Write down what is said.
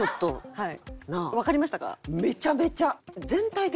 はい。